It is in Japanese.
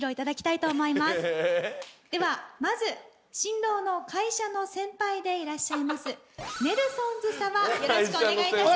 ではまず新郎の会社の先輩でいらっしゃいますネルソンズ様よろしくお願いいたします。